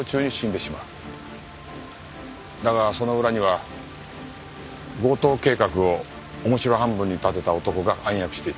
だがその裏には強盗計画を面白半分に立てた男が暗躍していた。